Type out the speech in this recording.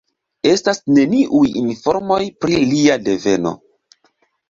Estas neniuj informoj pri lia deveno.